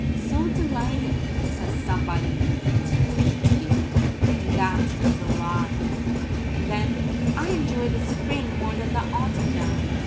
"So delighted," says somebody, "to meet you," and that is a lie. And then: "I enjoy the spring more than the autumn now.